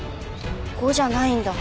５じゃないんだ。